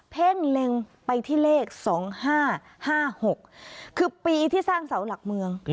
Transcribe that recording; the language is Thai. เพ่งเล็งไปที่เลข๒๕๕๖คือปีที่สร้างเสาหลักเมือง